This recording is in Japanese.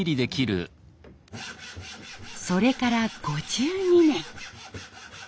それから５２年。